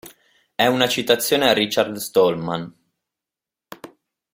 È una citazione a Richard Stallman.